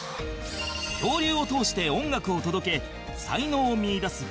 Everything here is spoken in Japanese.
恐竜を通して音楽を届け才能を見いだす